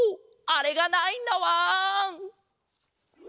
あれがないんだわん！